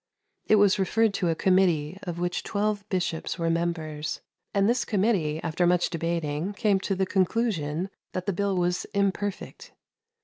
It was referred to a committee of which twelve bishops were members; and this committee, after much debating, came to the conclusion that the bill was imperfect.